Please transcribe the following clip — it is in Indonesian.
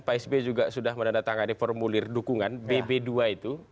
pak s b juga sudah mendatangkan formulir dukungan bb dua itu